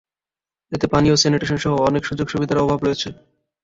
এতে পানি ও স্যানিটেশন সহ অনেক সুযোগ-সুবিধার অভাব রয়েছে।